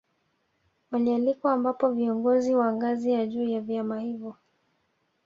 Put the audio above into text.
Walialikwa ambapo viongozi wa ngazi ya juu wa vyama hivyo